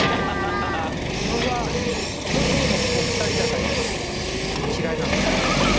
俺はお二人だから言いますけど嫌いなんです。